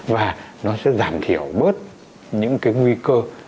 và nó sẽ giảm thiểu bớt những cái nguy cơ